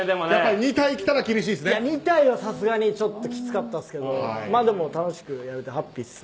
２体はさすがにきつかったですけどまあでも楽しくやれてハッピーっす。